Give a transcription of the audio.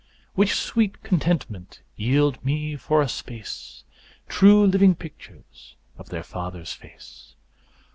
Which sweet contentment yield me for a space, True living pictures of their father's face.